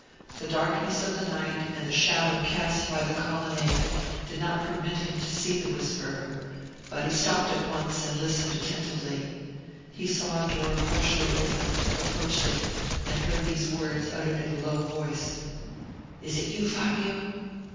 The darkness of the night, and the shadow cast by the colonnade, did not permit him to see the whisperer; but he stopped at once, and listened attentively. He saw a door partially opened, approached it, and heard these words uttered in a low voice, "Is it you, Fabio?"